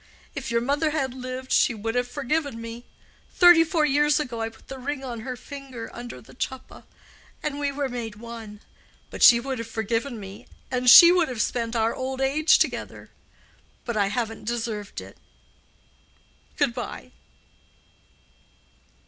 If your mother had lived, she would have forgiven me—thirty four years ago I put the ring on her finger under the Chuppa, and we were made one. She would have forgiven me, and we should have spent our old age together. But I haven't deserved it. Good bye."